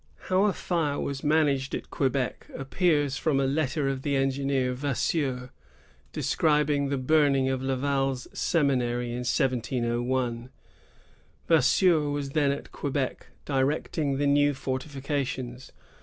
"* How a fire was managed at Quebec appears from a letter of the engineer, Vasseur, describing the bum ing of Laval's seminary in 1701. Vasseur was then at Quebec, directing the new fortifications.